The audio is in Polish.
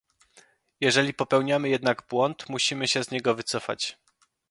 Jeżeli popełniamy jednak błąd, musimy się z niego wycofać